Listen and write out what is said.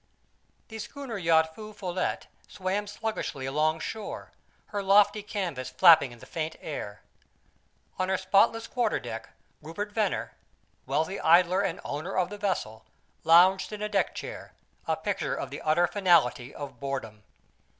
The schooner yacht Feu Follette swam sluggishly along shore, her lofty canvas flapping in the faint air. On her spotless quarter deck, Rupert Venner, wealthy idler and owner of the vessel, lounged in a deck chair a picture of the utter finality of boredom.